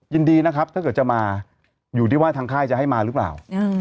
ยินดีนะครับถ้าเกิดจะมาอยู่ที่ว่าทางค่ายจะให้มาหรือเปล่า